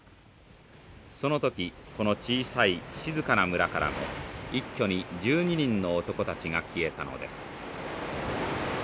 その時この小さい静かな村からも一挙に１２人の男たちが消えたのです。